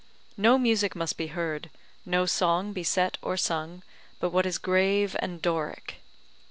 No music must be heard, no song be set or sung, but what is grave and Doric.